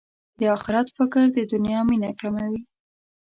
د اخرت فکر د دنیا مینه کموي.